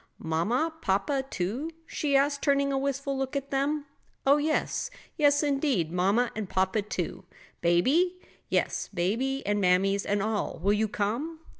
"Mamma? papa too?" she asked, turning a wistful look on them. "Oh, yes; yes indeed, mamma and papa too." "Baby?" "Yes, baby and mammies and all. Will you come?"